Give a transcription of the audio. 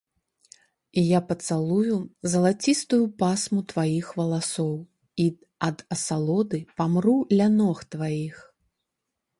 Я пацалую залацістую пасму тваіх валасоў і ад асалоды памру ля ног тваіх.